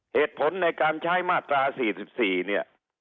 เหตุผลในการใช้มาตรา๔๔เนี่ย